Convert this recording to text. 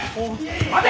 待て！